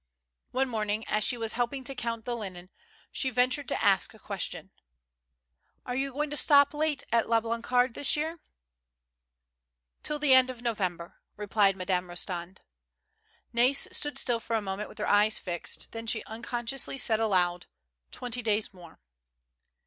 One morning, as she was helping to count the linen, she ventured to ask a question : "Are you going to stop late at La Blancarde this year ?"" Till the end of October," replied Madame Kostand. Nai's stood still for a moment with her eyes fixed; then she unconsciously said aloud: " Twenty days more."